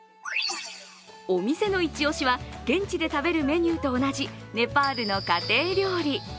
お店の一押しは現地で食べるメニューと同じネパールの家庭料理。